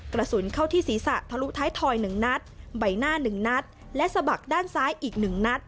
กระสุนเข้าที่ศีรษะทะลุท้ายถอยหนึ่งนัดใบหน้าหนึ่งนัดและสะบักด้านซ้ายอีกหนึ่งนัด